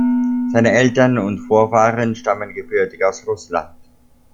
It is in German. Seine Eltern und Vorfahren stammen gebürtig aus Russland.